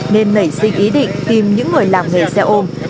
nên nảy sinh ý định tìm những người làm nghề xe ôm